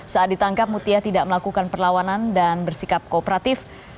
saat ditangkap mutia tidak melakukan perlawanan dan bersikap kooperatif